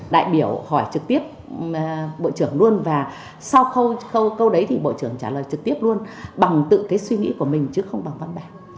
đại biểu hỏi trực tiếp bộ trưởng luôn và sau khâu câu đấy thì bộ trưởng trả lời trực tiếp luôn bằng tự cái suy nghĩ của mình chứ không bằng văn bản